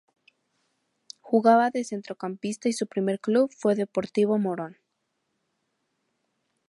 Jugaba de centrocampista y su primer club fue Deportivo Morón.